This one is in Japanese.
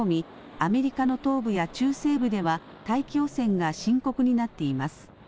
アメリカの東部や中西部では大気汚染が深刻になっています。